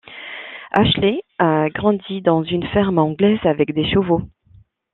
Ashley a grandi dans une ferme anglaise avec des chevaux.